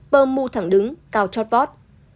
bơm mu thẳng đứng cao chót vót